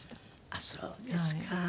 あっそうですか。